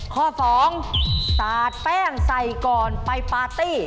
ข้อ๒สาดแป้งใส่ก่อนไปปาร์ตี้